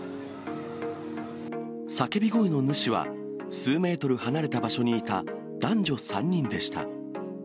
叫び声の主は、数メートル離れた場所にいた男女３人でした。